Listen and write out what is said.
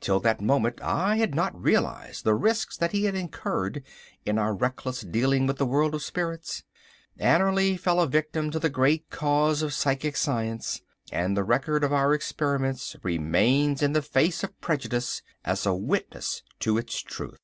Till that moment I had not realised the risks that he had incurred in our reckless dealing with the world of spirits. Annerly fell a victim to the great cause of psychic science, and the record of our experiments remains in the face of prejudice as a witness to its truth.